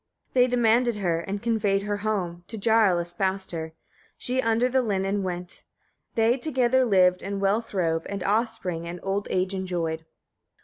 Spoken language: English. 37. They demanded her, and conveyed her home, to Jarl espoused her; she under the linen went. They together lived, and well throve, had offspring, and old age enjoyed.